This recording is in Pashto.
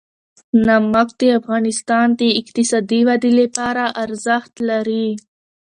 نمک د افغانستان د اقتصادي ودې لپاره ارزښت لري.